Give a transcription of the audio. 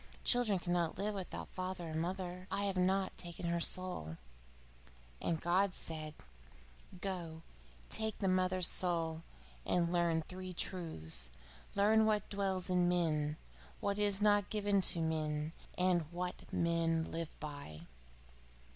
Children cannot live without father or mother." I have not taken her soul.' And God said: 'Go take the mother's soul, and learn three truths: Learn What dwells in man, What is not given to man, and What men live by.